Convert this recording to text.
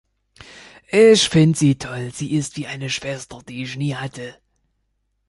Ich finde sie toll! Sie ist wie eine Schwester, die ich nie hatte.